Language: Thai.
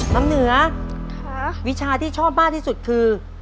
น้ำเหนือวิชาที่ชอบมากที่สุดคือ